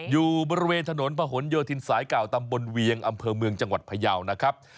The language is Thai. อยู่บริเวณถนนพะหนโยธินสายเก่าตำบลเวียงอำเภอเมืองจังหวัดพยาวนะครับ